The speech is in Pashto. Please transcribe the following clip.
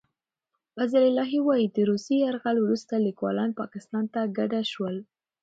فضل الهي وايي، د روسي یرغل وروسته لیکوالان پاکستان ته کډه شول.